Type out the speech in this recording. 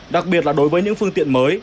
đặc biệt là đối với những phương tiện mới